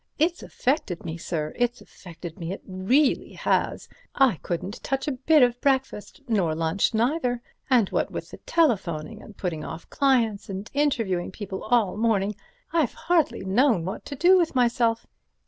It's affected me, sir, it's affected me, it reely has—I couldn't touch a bit of breakfast, nor lunch neither, and what with telephoning and putting off clients and interviewing people all morning, I've hardly known what to do with myself?"